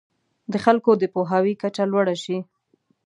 د خلکو د پوهاوي کچه لوړه شي.